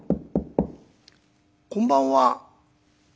「こんばんは」。